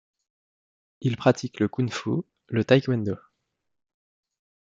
Il pratique le kung-fu, le taekwondo.